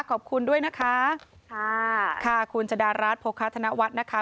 ขอบคุณด้วยนะคะค่ะค่ะคุณจดารัฐโภคาธนวัฒน์นะคะ